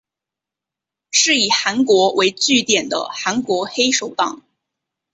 是以韩国为据点的韩国黑手党。